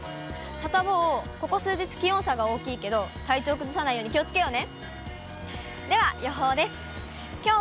サタボー、ここ数日、気温差が大きいけど、体調崩さないように気をつけようね。